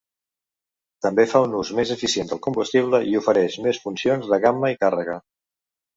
També fa un ús més eficient del combustible i ofereix més funcions de gamma i càrrega.